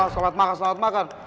selamat makan selamat makan